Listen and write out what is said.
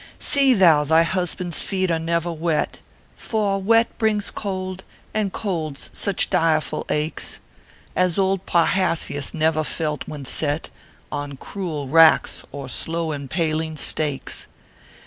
" See thou thy husband s feet are never wet For wet brings cold, and colds such direful aches As old Parrhasius never felt when set On cruel racks or slow impaling stakes.